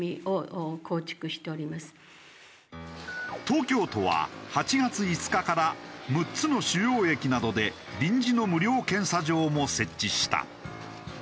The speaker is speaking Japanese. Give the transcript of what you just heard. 東京都は８月５日から６つの主要駅などで臨時の無料検査場も設置した。